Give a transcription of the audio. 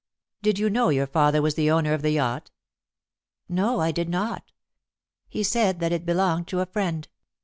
"Did you know your father was the owner of the yacht?" "No, I did not. He said that it belonged to a friend.